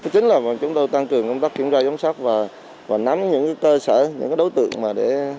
chính là chúng tôi tăng cường công tác kiểm tra giám sát và nắm những cơ sở những đối tượng để